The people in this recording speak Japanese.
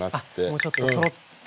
もうちょっとトロッと。